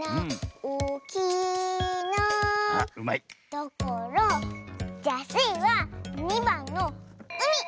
だからじゃあスイは２ばんのうみ！